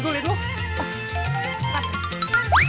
gua jatuh jendulin lu